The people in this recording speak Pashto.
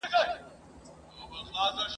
چي آزاد له پنجرو سي د ښکاریانو !.